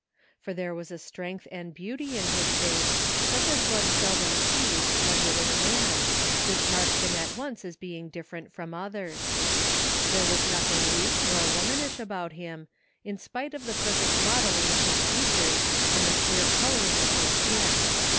For there was a strength S THE FINDING OP JASPER HOLT and beauty in his face such as one seldom sees blended in a man, which marked him at once as being different from others. There was nothing weak nor womanish about him, in spite of the perfect modelling of his features and the clear coloring of his skin.